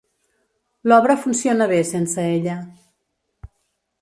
L'obra funciona bé sense ella.